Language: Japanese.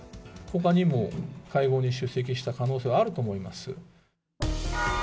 ほかにも会合に出席した可能性はあると思います。